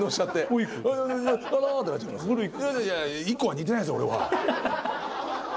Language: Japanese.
ＩＫＫＯは似てないです俺は。